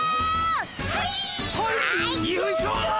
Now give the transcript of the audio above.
はい！